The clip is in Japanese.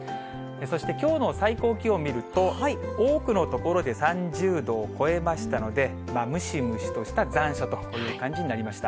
そして、きょうの最高気温見ると、多くの所で３０度を超えましたので、ムシムシとした残暑という感じになりました。